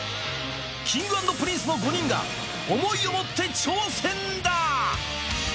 Ｋｉｎｇ＆Ｐｒｉｎｃｅの５人が想いを持って挑戦だ。